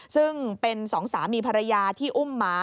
ซึ่งเป็นสองสามีภรรยาที่อุ้มหมา